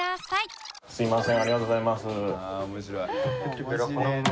すみません。